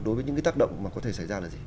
đối với những cái tác động mà có thể xảy ra là gì